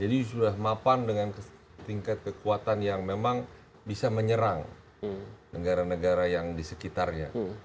jadi sudah mapan dengan tingkat kekuatan yang memang bisa menyerang negara negara yang di sekitarnya